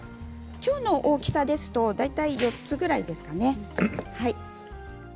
きょうの大きさですと大体４つぐらいですかね。